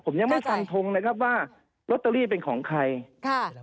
ผมยังไม่ฟันทงนะครับว่าลอตเตอรี่เป็นของใครค่ะ